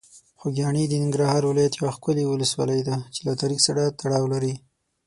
خوږیاڼي د ننګرهار ولایت یوه ښکلي ولسوالۍ ده چې له تاریخ سره تړاو لري.